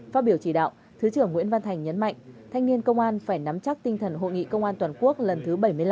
phát biểu chỉ đạo thứ trưởng nguyễn văn thành nhấn mạnh thanh niên công an phải nắm chắc tinh thần hội nghị công an toàn quốc lần thứ bảy mươi năm